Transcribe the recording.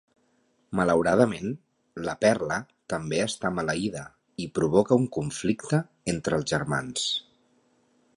Malauradament, la perla també està maleïda i provoca un conflicte entre els germans.